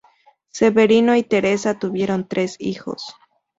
Severino y Teresa tuvieron tres hijos.